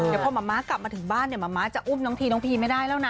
แต่พอแม่มาถึงบ้านแม่จะอุ้มทรายที่พี่ไม่ได้แล้วนะ